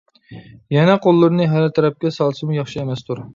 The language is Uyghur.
يەنە قوللىرىنى ھەر تەرەپكە سالسىمۇ ياخشى ئەمەستۇر.